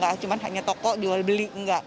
gak cuma hanya toko jual beli enggak